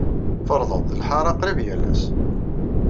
Ferrḍeɣ-d lḥaṛa qrib yal ass.